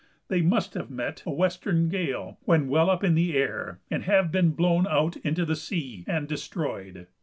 They must have met a western gale when well up in air, and have been blown out into the sea and destroyed.